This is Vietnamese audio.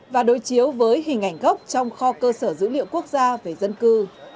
và đối chiếu với hình ảnh gốc trong kho cơ sở dữ liệu quốc gia về dân cư